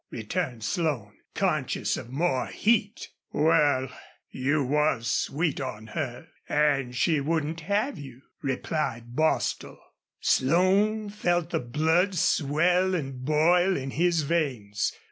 returned Slone, conscious of more heat. "Wal, you was sweet on her an' she wouldn't have you," replied Bostil. Slone felt the blood swell and boil in his veins.